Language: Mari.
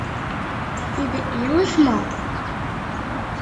Тиде илыш мо?